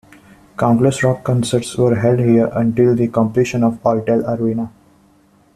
Countless rock concerts were held here until the completion of Alltel Arena.